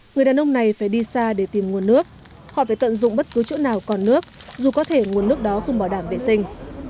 người đàn ông này phải đi xa để tìm nguồn nước họ phải tận dụng bất cứ chỗ nào còn nước dù có thể nguồn nước đó không bảo đảm vệ sinh